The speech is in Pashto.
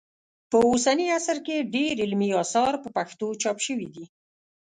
په اوسني عصر کې ډېر علمي اثار په پښتو چاپ سوي دي